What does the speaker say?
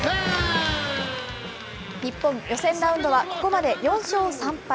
日本、予選ラウンドはここまで４勝３敗。